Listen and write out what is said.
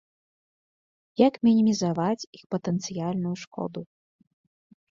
Як мінімізаваць іх патэнцыяльную шкоду.